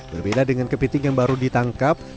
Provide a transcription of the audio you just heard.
berbeda dengan kepiting yang baru ditangkap